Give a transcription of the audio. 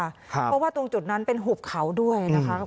เพราะว่าตรงจุดนั้นเป็นหุบเขาด้วยนะคะ